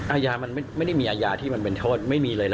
อาญามันไม่ได้มีอาญาที่มันเป็นโทษไม่มีเลยนะ